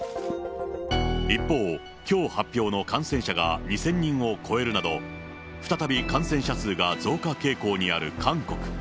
一方、きょう発表の感染者が２０００人を超えるなど、再び感染者数が増加傾向にある韓国。